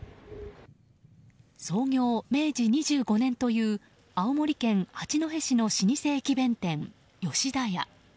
創業明治２５年という青森県八戸市の老舗駅弁店、吉田屋。